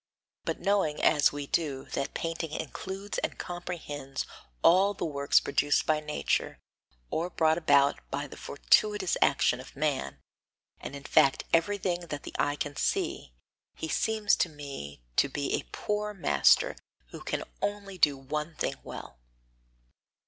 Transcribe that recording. But knowing, as we do, that painting includes and comprehends all the works produced by nature, or brought about by the fortuitous action of man, and in fact everything that the eye can see, he seems to me to be a poor master who can only do one thing well.